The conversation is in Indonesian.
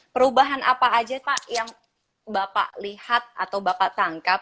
perubahan apa aja pak yang bapak lihat atau bapak tangkap